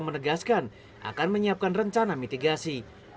menegaskan akan menyiapkan rencana mitigasi